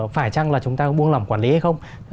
phải chăng là chúng ta buông lỏng quản lý hay không